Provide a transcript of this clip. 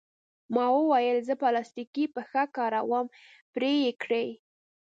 ما وویل: زه پلاستیکي پښه کاروم، پرې یې کړئ.